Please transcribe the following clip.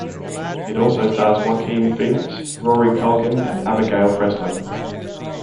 It also stars Joaquin Phoenix, Rory Culkin, and Abigail Breslin.